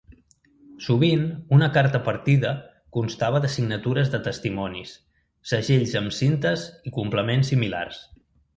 Sovint, una carta partida constava de signatures de testimonis, segells amb cintes i complements similars.